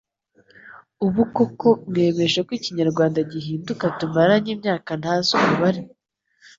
UBU KOKO MWEMEJE KO IKINYARWANDA gihinduka TUMARANYE IMYAKA NTAZI UMUBARE